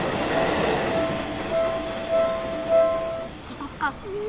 行こっか。